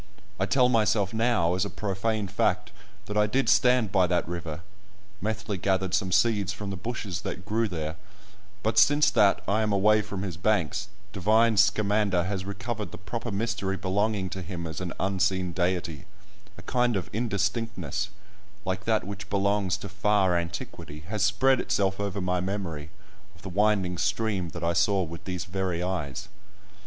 I tell myself now, as a profane fact, that I did stand by that river (Methley gathered some seeds from the bushes that grew there), but since that I am away from his banks, "divine Scamander" has recovered the proper mystery belonging to him as an unseen deity; a kind of indistinctness, like that which belongs to far antiquity, has spread itself over my memory, of the winding stream that I saw with these very eyes.